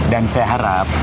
dan saya harap